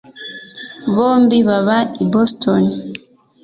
bombi baba i boston